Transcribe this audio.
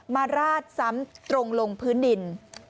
ราดซ้ำตรงลงพื้นดิน